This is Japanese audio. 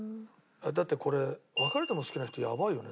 えっだってこれ『別れても好きな人』やばいよね？